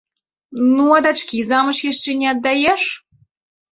Ну, а дачкі замуж яшчэ не аддаеш?